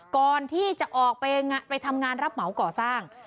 ก่อนที่จะออกไปทำงานรับเหมาก่อสร้าง